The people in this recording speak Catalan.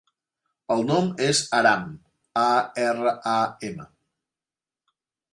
El nom és Aram: a, erra, a, ema.